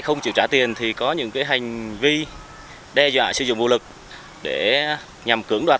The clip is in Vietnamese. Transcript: không chịu trả tiền thì có những hành vi đe dọa sử dụng vũ lực để nhằm cưỡng đoạt